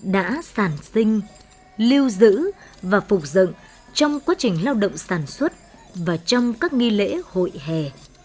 đã sản sinh lưu giữ và phục dựng trong quá trình lao động sản xuất và trong các nghi lễ hội hè